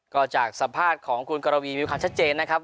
ก็จากสัมภาษณ์ของคุณกรวีมีความชัดเจนนะครับ